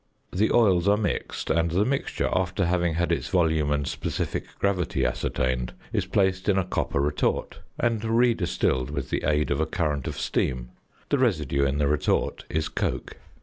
The oils are mixed, and the mixture, after having had its volume and specific gravity ascertained, is placed in a copper retort, and re distilled with the aid of a current of steam. The residue in the retort is coke.